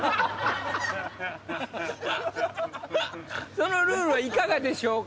そのルールはいかがでしょうか？